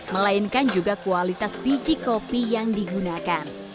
melainkan juga kualitas biji kopi yang digunakan